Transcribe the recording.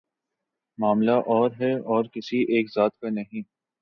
معاملہ اور ہے اور کسی ایک ذات کا نہیں۔